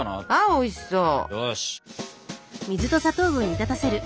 あおいしそう。